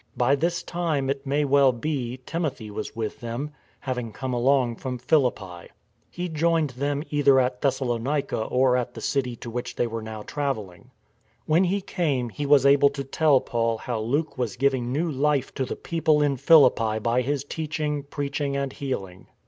By this time, it may well be, Timothy was with them, having come along from Philippi. He joined them either at Thessalonica or at the city to which they were now travelling. When he came he was able to tell Paul how Luke was giving new life to the people in Philippi by his teaching, preaching, and healing.